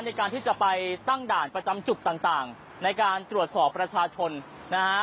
ในการที่จะไปตั้งด่านประจำจุดต่างต่างในการตรวจสอบประชาชนนะฮะ